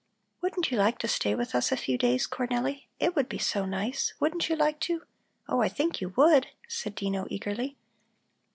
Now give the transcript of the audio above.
"Wouldn't you like to stay with us a few days, Cornelli? It would be so nice. Wouldn't you like to? Oh, I think you would!" said Dino eagerly.